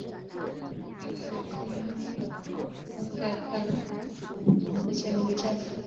纽黑文是英国东萨塞克斯郡的一个镇。